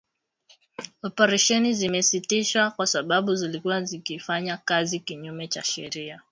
Operesheni zimesitishwa kwa sababu zilikuwa zikifanya kazi kinyume cha sheria